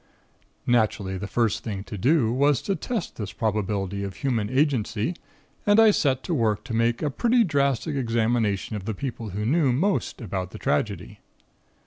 "Naturally, the first thing to do, was to test this probability of human agency, and I set to work to make a pretty drastic examination of the people who knew most about the tragedy.